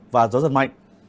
và gió giật mạnh